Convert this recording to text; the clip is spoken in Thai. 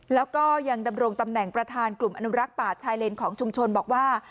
แล้วก็ยังดำรงตำแหน่งประธานกลุ่มอนุรักษ์ป่าชายเลนของชุมชนบอกว่า